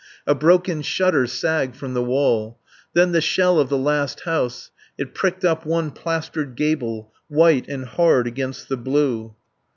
A broken shutter sagged from the wall. Then the shell of the last house; it pricked up one plastered gable, white and hard against the blue.